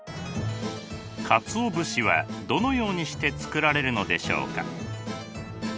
かつお節はどのようにして作られるのでしょうか？